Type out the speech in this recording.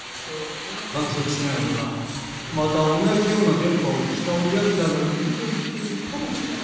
観測しながらまた同じような電波を使うやつらがいると言っているかもしれません。